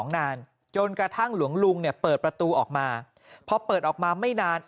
๒นานจนกระทั่งหลวงเนี่ยเฝิดประตูออกมาเพราะออกมาไม่นาน